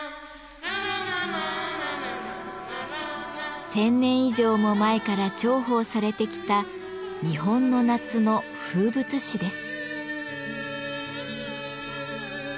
１，０００年以上も前から重宝されてきた日本の夏の風物詩です。